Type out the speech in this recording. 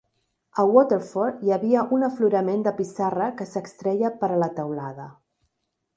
A Waterford hi havia un aflorament de pissarra que s'extreia per a la teulada.